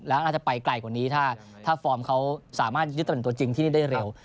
แล้วน่าจะไปไกลกว่านี้ถ้าฟอร์มเขาสามารถยึดจะเป็นตัวจริงที่นี่ได้เร็ว